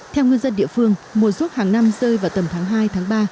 theo ngư dân địa phương mùa ruốc hàng năm rơi vào tầm tháng hai tháng ba